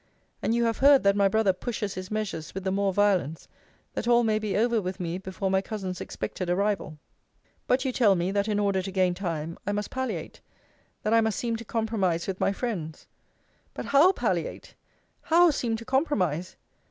And you have heard that my brother pushes his measures with the more violence, that all may be over with me before my cousin's expected arrival. But you tell me, that, in order to gain time, I must palliate; that I must seem to compromise with my friends: But how palliate? How seem to compromise?